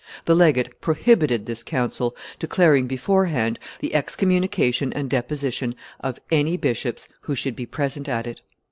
The legate prohibited this council, declaring, beforehand, the excommunication and deposition of any bishops who should be present at it.